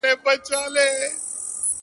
ستا بې لیدلو چي له ښاره وځم,